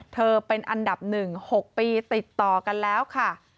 เธอเป็นอันดับ๑๖ปีติดต่อกันแล้วค่ะ